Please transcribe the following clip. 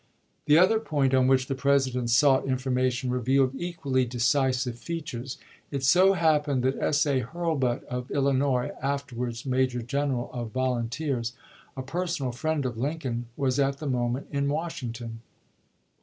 The other point on which the President sought information revealed equally decisive features. It so happened that S. A. Hurlbut, of Illinois (after wards Major General of Volunteers), a personal friend of Lincoln, was at the moment in Washing ton.